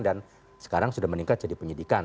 dan sekarang sudah meningkat jadi penyelidikan